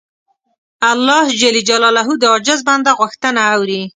الله د عاجز بنده غوښتنه اوري.